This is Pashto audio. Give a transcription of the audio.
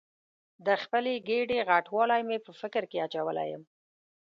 د خپلې ګېډې غټوالی مې په فکر کې اچولې یم.